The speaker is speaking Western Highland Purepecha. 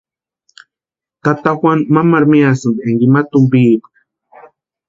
Tata Juanu mamaru miasïnti énka ima tumpiepka.